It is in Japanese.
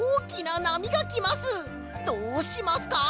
どうしますか？